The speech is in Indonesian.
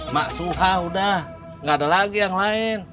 mas suha udah nggak ada lagi yang lain